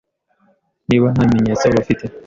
niba nta bimenyetso bafite